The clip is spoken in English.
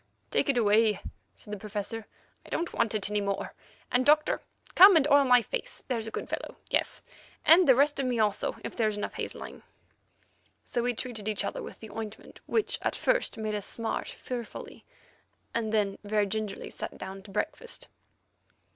"Take it away," said the Professor; "I don't want it any more, and, Doctor, come and oil my face, there's a good fellow; yes, and the rest of me also, if there is enough hazeline." So we treated each other with the ointment, which at first made us smart fearfully, and then, very gingerly sat down to breakfast.